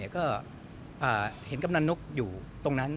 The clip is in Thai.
ก็เห็นกำนันนกอยู่ตรงนั้น